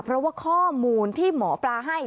เพราะว่าข้อมูลที่หมอปลาให้